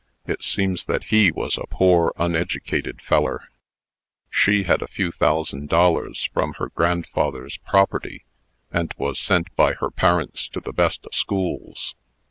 It seems that he was a poor, uneducated feller. She had a few thousand dollars from her grandfather's property, and was sent by her parents to the best o' schools.